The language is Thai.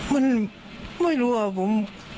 มันไม่รู้ครับผม